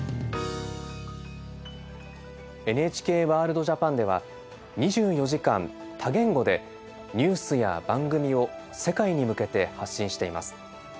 「ＮＨＫワールドＪＡＰＡＮ」では２４時間多言語でニュースや番組を世界に向けて発信しています。